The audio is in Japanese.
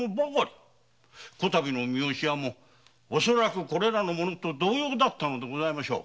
こたびの三善屋もこれらの者と同様だったのでございましょう。